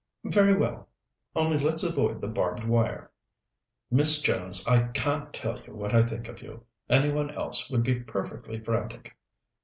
"Very well. Only let's avoid the barbed wire." "Miss Jones, I can't tell you what I think of you. Any one else would be perfectly frantic."